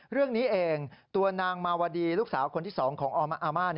เรื่องนี้เองตัวนางมาวดีลูกสาวคนที่๒ของอาม่า